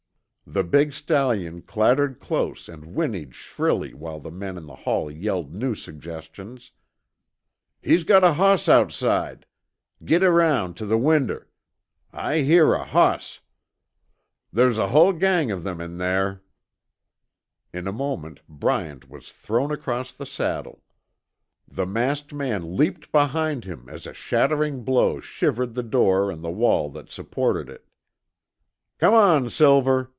The big stallion clattered close and whinnied shrilly while the men in the hall yelled new suggestions. "He's got a hoss outside. Git around tuh the winder. I hear a hoss. Thar's a hull gang o' them in thar." In a moment Bryant was thrown across the saddle. The masked man leaped behind him as a shattering blow shivered the door and the wall that supported it. "Come on, Silver!"